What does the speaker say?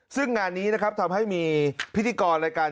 ซึ่งงานนี้นะครับทำให้มีพิธีกรรายการ